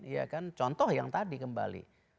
ya kan contoh yang tadi kembali